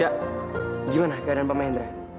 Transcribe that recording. ya gimana keadaan pak mahendra